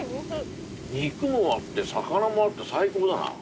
肉もあって魚もあって最高だな。